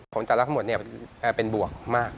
ของแต่ละทั้งหมดเป็นบวกมาก